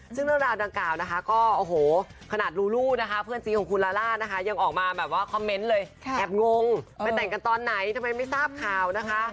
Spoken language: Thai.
ซึ่งเรื่องราวดังกล่าวนะคะก็โอ้โหขนาดลูลูนะคะเพื่อนซีของคุณลาล่านะคะยังออกมาแบบว่าคอมเมนต์เลยแอบงงไปแต่งกันตอนไหนทำไมไม่ทราบข่าวนะคะ